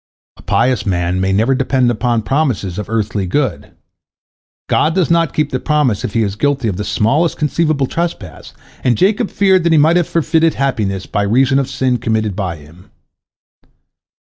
A pious man may never depend upon promises of earthly good. God does not keep the promise if he is guilty of the smallest conceivable trespass, and Jacob feared that he might have forfeited happiness by reason of a sin committed by him.